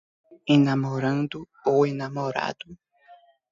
enamorando ou enamorado